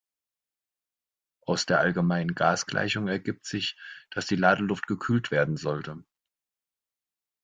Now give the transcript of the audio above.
Aus der allgemeinen Gasgleichung ergibt sich, dass die Ladeluft gekühlt werden sollte.